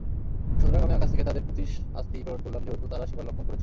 সুতরাং আমি আকাশ থেকে তাদের প্রতি শাস্তি প্রেরণ করলাম যেহেতু তারা সীমালংঘন করেছিল।